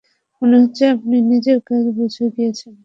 মনে হচ্ছে আপনি নিজের কাজ বুঝে গিয়েছেন।